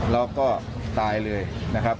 เราก็ตายเลยนะครับ